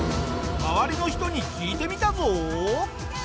周りの人に聞いてみたぞ！